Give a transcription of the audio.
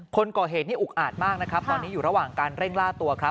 คนก่อเหตุนี่อุกอาจมากนะครับตอนนี้อยู่ระหว่างการเร่งล่าตัวครับ